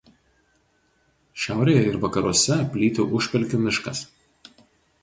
Šiaurėje ir vakaruose plyti Užpelkių miškas.